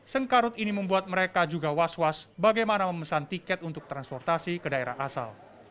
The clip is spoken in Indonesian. sengkarut ini membuat mereka juga was was bagaimana memesan tiket untuk transportasi ke daerah asal